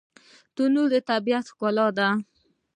تنوع د طبیعت ښکلا ده.